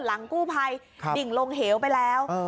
หลังกู้ภัยดิ่งลงเหวไปแล้ว